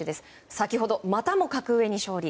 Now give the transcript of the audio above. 先ほど、またも格上に勝利。